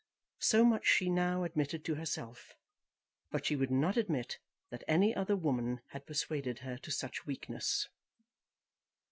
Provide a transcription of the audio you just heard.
So much she now admitted to herself. But she would not admit that any other woman had persuaded her to such weakness.